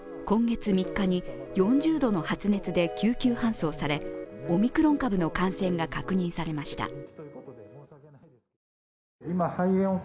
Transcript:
今月３日に４０度の発熱で救急搬送されオミクロン株の感染が確認されました。